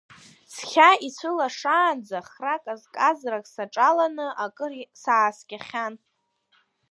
Цкьа ицәылашаанӡа хра казказрак саҿаланы акыр сааскьахьан.